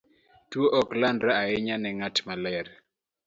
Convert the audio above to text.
Tuwo ok landre ahinya ne ng'at maler.